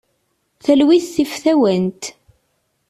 Talwit tif tawant.